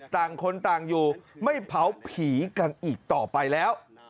ต่างคนต่างอยู่ไม่เผาผีกันอีกต่อไปแล้ว